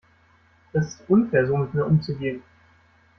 Das ist unfair, so mit mir umzugehen.